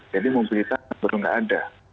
jadi mobilitas yang belum ada